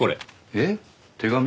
えっ手紙？